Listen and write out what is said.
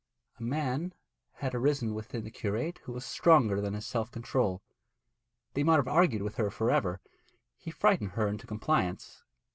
A man had arisen within the curate who was stronger than his self control. They might have argued with her for ever: he frightened her into compliance.